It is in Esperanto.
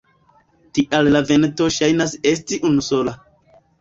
Tial la vento ŝajnas esti unusola.